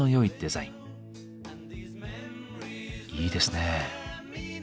いいですね。